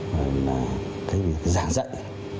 rồi là cái giảng dạy